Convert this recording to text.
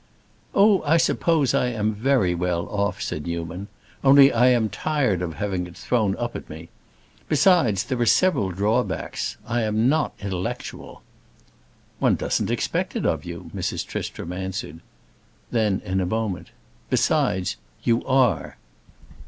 "Oh, I suppose I am very well off," said Newman. "Only I am tired of having it thrown up at me. Besides, there are several drawbacks. I am not intellectual." "One doesn't expect it of you," Mrs. Tristram answered. Then in a moment, "Besides, you are!"